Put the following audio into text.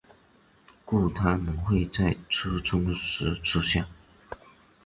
故它们会在初春时出现。